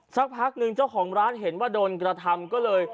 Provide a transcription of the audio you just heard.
สักพักหนึ่งเจ้าของร้านเห็นว่าโดนกระทำก็เลย